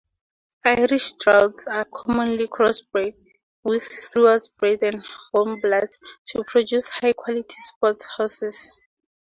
Irish Draughts are commonly crossbred with Thoroughbreds and Warmbloods to produce high-quality sport horses.